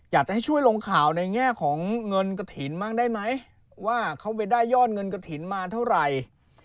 อยากจะให้ช่วยลงข่าวในแง่ของเงินกระถิ่นบ้างได้ไหมว่าเขาไปได้ยอดเงินกระถิ่นมาเท่าไหร่